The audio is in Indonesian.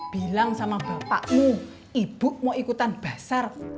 bilang sama bapakmu ibu mau ikutan basar